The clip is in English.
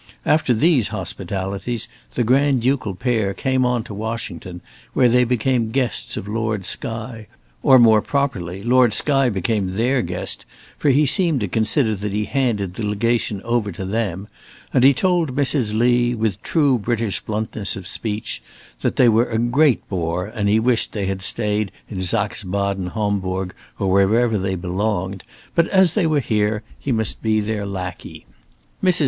After these hospitalities the Grand ducal pair came on to Washington, where they became guests of Lord Skye, or, more properly, Lord Skye became their guest, for he seemed to consider that he handed the Legation over to them, and he told Mrs. Lee, with true British bluntness of speech, that they were a great bore and he wished they had stayed in Saxe Baden Hombourg, or wherever they belonged, but as they were here, he must be their lackey. Mrs.